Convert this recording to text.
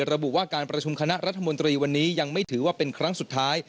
ระบุว่าการประชุมคณะรัฐมนตรีวันนี้ยังไม่ถือว่าเป็นครั้งสุดท้าย